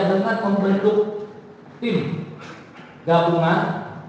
dengan memperhentuk tim gabungan